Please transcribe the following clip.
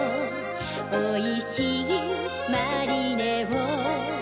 おいしいマリネを